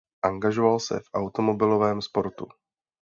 Angažoval se v automobilovém sportu.